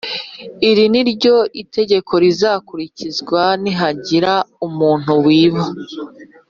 Iri ni ryo tegeko rizakurikizwa nihagira umuntu wiba